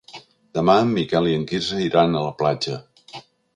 Demà en Miquel i en Quirze iran a la platja.